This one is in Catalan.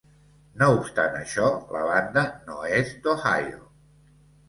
No obstant això, la banda no és d'Ohio.